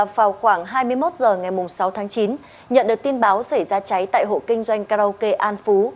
vào khoảng hai mươi một h ngày sáu tháng chín nhận được tin báo xảy ra cháy tại hộ kinh doanh karaoke an phú